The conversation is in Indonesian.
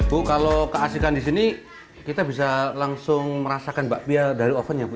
bu kalau keasikan di sini kita bisa langsung merasakan bakpia dari oven ya bu